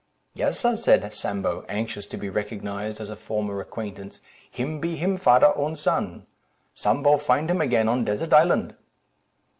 "Yes sir," said Sambo, anxious to be recognised as a former acquaintance, "him be him fader own son; Sambo find him again on desert island."